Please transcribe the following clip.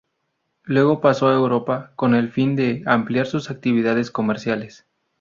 Luego pasó a Europa, con el fin de ampliar sus actividades comerciales.